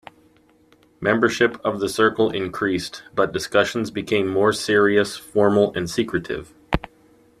Membership of the circle increased, but discussions became more serious, formal and secretive.